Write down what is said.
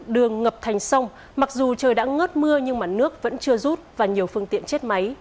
đường ngập thành sông mặc dù trời đã ngớt mưa nhưng nước vẫn chưa rút và nhiều phương tiện chết máy